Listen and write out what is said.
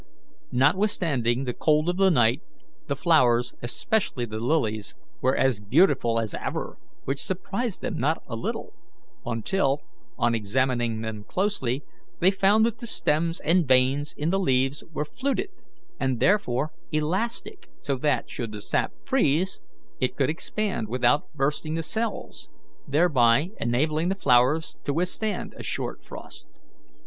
Notwithstanding the cold of the night, the flowers, especially the lilies, were as beautiful as ever, which surprised them not a little, until, on examining them closely, they found that the stems and veins in the leaves were fluted, and therefore elastic, so that, should the sap freeze, it could expand without bursting the cells, thereby enabling the flowers to withstand a short frost.